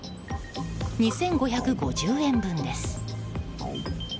２５５０円分です。